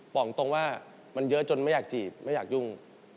บอกตรงว่ามันเยอะจนไม่อยากจีบไม่อยากยุ่ง